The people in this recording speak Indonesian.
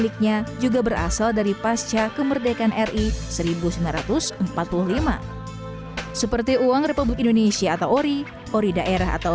miliknya juga berasal dari pasca kemerdekaan ri seribu sembilan ratus empat puluh lima seperti uang republik indonesia atau ori ori daerah atau